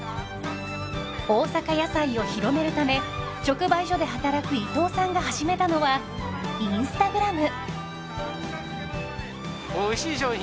大阪野菜を広めるため直売所で働く伊藤さんが始めたのはＩｎｓｔａｇｒａｍ。